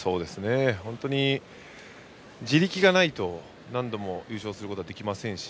本当に地力がないと何度も優勝はできませんし。